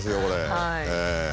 はい。